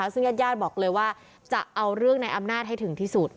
ซึ่งญาติญาติบอกเลยว่าจะเอาเรื่องในอำนาจให้ถึงที่สุด